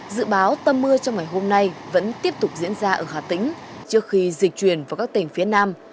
dự báo tâm mưa trong ngày hôm nay vẫn tiếp tục diễn ra ở hà tĩnh trước khi dịch chuyển vào các tỉnh phía nam